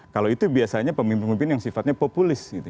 kalau itu biasanya pemimpin pemimpin yang sifatnya populis